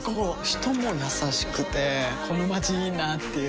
人も優しくてこのまちいいなぁっていう